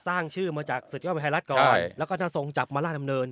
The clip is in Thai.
สร้างชื่อมาจากศึกษาวิทยาลัยไทยรัฐก่อนแล้วก็จะส่งจับมาร่ามเนิน